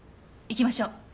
行きましょう！